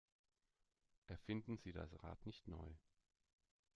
Erfinden Sie das Rad nicht neu!